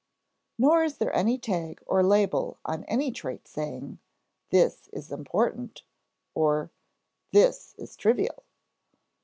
Nor is there any tag or label on any trait saying: "This is important," or "This is trivial."